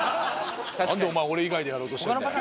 何でお前俺以外でやろうとしてんだよ。